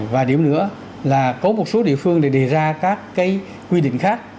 và điểm nữa là có một số địa phương thì đề ra các cái quy định khác